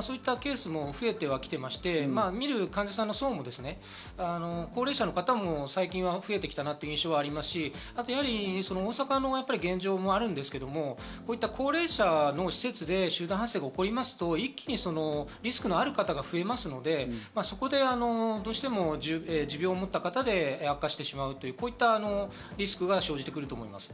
そういったケースも増えて来ていまして、診る患者さんの層も高齢者の方も最近は増えてきたなという印象もありますし、大阪の現状もあるんですけど、こういった高齢者の施設で集団感染が起こりますと、一気にリスクのある方が増えますので、そこでどうしても持病を持った方で悪化してしまうという、こういったリスクが生じてくると思います。